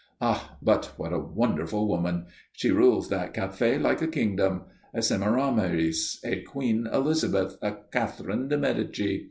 Ah, but what a wonderful woman! She rules that café like a kingdom; a Semiramis, a Queen Elizabeth, a Catherine de' Medici.